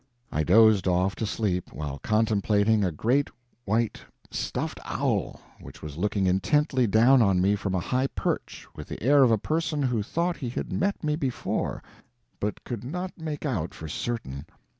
I dozed off to sleep while contemplating a great white stuffed owl which was looking intently down on me from a high perch with the air of a person who thought he had met me before, but could not make out for certain.